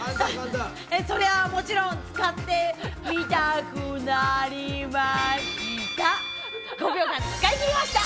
それはもちろん、使ってみたくなりました！